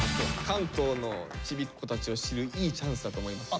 関東のちびっ子たちを知るいいチャンスだと思いますよ。